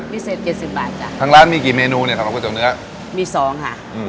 พิเศษเจ็ดสิบบาทจ้ะทางร้านมีกี่เมนูเนี้ยสำหรับก๋วเนื้อมีสองค่ะอืม